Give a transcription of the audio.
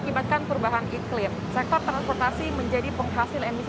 kami akan segera kembali saat lagi dengan informasi lain